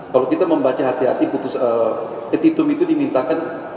kalau kita membaca hati hati petitum itu dimintakan